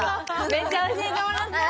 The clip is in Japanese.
めっちゃ教えてもらったの。